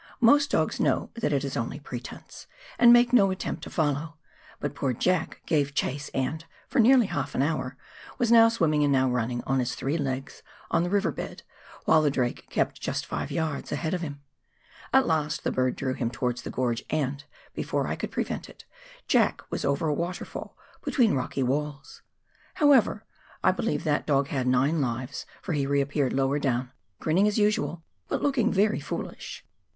Most dogs know that it is only pretence, and make no attempt to follow, but poor "Jack" gave chase and, for nearly half an hour, was now swimming and now running on his three legs on the river bed, while the drake kept just five yards ahead of him. At last the bird drew him towards the gorge and, before I could prevent it, Jack was over a waterfall between the rocky walls. However, I believe that dog had nine lives, for he reappeared lower down, grinning as usual, but looking very foolish !